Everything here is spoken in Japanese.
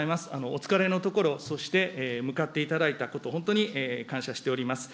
お疲れのところ、そして、向かっていただいたこと、本当に感謝しております。